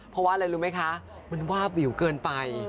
เพราะว่าอะไรรู้ไหมคะมันวาบวิวเกินไป